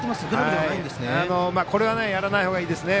これはやらないほうがいいですね。